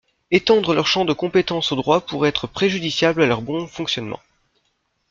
Étendre leur champ de compétence au droit pourrait être préjudiciable à leur bon fonctionnement.